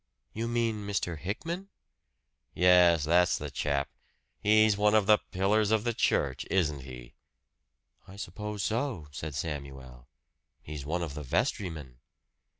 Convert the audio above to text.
"You mean Mr. Hickman?" "Yes, that's the chap. He's one of the pillars of the church, isn't he?" "I suppose so," said Samuel. "He's one of the vestrymen."